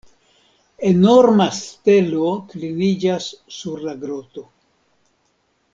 Enorma stelo kliniĝas sur la groto.